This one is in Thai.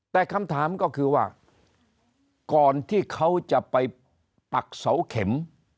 แต่คำถามก็คือว่าก่อนที่เขาจะไปปักเสาเข็ม